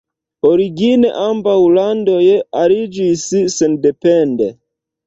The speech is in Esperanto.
Origine ambaŭ landoj aliĝis sendepende.